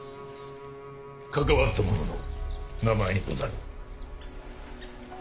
関わった者の名前にござる。